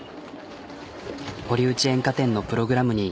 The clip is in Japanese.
堀内煙火店のプログラムに。